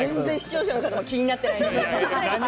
視聴者の方も気になってない。